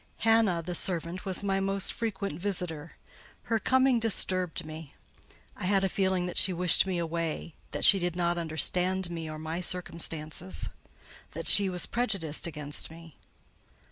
Hannah, the servant, was my most frequent visitor. Her coming disturbed me. I had a feeling that she wished me away: that she did not understand me or my circumstances; that she was prejudiced against me.